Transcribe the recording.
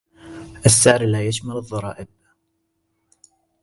السعر لا يشمل الضرائب.